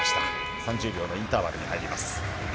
３０秒のインターバルに入ります。